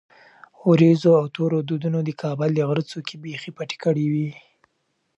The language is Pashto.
ورېځو او تورو دودونو د کابل د غره څوکې بیخي پټې کړې وې.